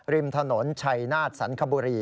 ริมถนนชัยนาฏสันคบุรี